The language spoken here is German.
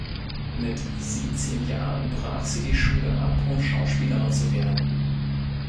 Mit siebzehn Jahren brach sie die Schule ab, um Schauspielerin zu werden.